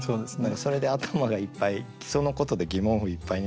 それで頭がいっぱいそのことで疑問符いっぱいになってる。